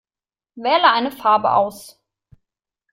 Wähle eine Farbe aus.